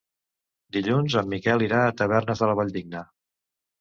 Dilluns en Miquel irà a Tavernes de la Valldigna.